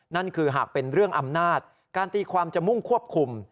นั่นคือหากเป็นเรื่องอำนาจการตีความจะมุ่งควบคุม